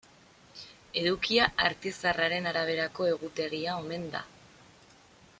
Edukia Artizarraren araberako egutegia omen da.